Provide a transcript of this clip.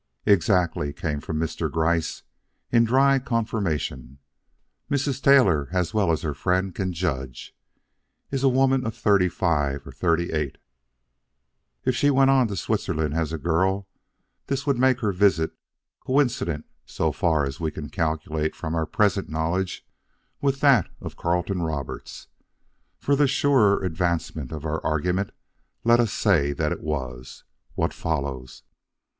"Exactly," came from Mr. Gryce in dry confirmation. "Mrs. Taylor, as well as her friends can judge, is a woman of thirty five or thirty eight. If she went to Switzerland as a girl, this would make her visit coincident, so far as we can calculate from our present knowledge, with that of Carleton Roberts. For the surer advancement of our argument, let us say that it was. What follows?